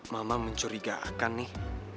mama mencurigakan nih